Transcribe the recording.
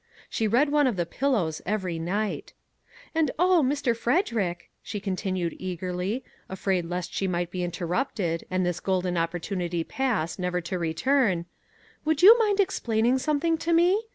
She read one of the " Pillows " every night. "And, oh, Mr. Frederick," she continued eagerly, afraid lest she might be interrupted, and this golden opportunity pass, never to re turn, " would you mind explaining something to me?